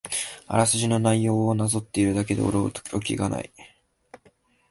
あらすじの内容をなぞっているだけで驚きがない